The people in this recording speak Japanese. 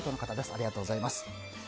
ありがとうございます。